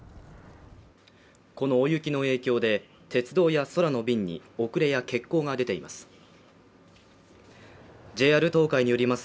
この大雪の影響で鉄道や空の便に遅れや欠航が出ています